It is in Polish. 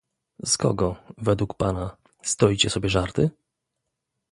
Z kogo, według Pana, stroicie sobie żarty?